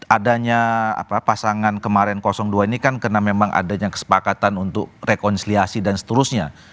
adanya pasangan kemarin dua ini kan karena memang adanya kesepakatan untuk rekonsiliasi dan seterusnya